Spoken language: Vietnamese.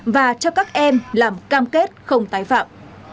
và cho các em làm cam kết không tái phạm